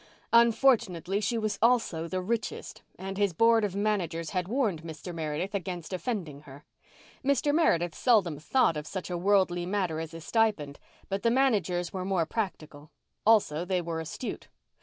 Unfortunately, she was also the richest, and his board of managers had warned Mr. Meredith against offending her. Mr. Meredith seldom thought of such a worldly matter as his stipend; but the managers were more practical. Also, they were astute.